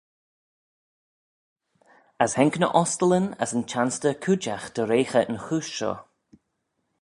As haink ny ostyllyn as y chanstyr cooidjagh dy reaghey yn chooish shoh.